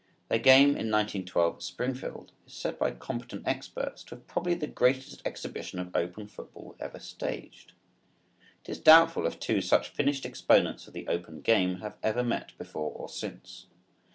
Their game in 1912 at Springfield is said by competent experts to have been probably the greatest exhibition of open football ever staged. It is doubtful if two such finished exponents of the open game have ever met before or since.